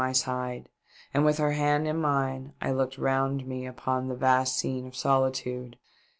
y side ; and with her hand in mine, I looked round me upon the vast scene of solitude.